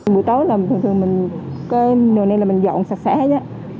buổi tối là thường thường mình cái nồi này là mình dọn sạch sẽ hết á